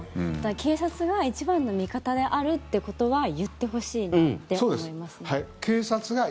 警察が一番の味方であるってことは言ってほしいなって思います。